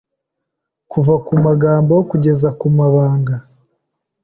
Kuva ku magambo kugeza kumabanga